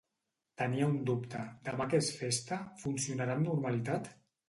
Tenia un dubte, demà que és festa, funcionarà amb normalitat?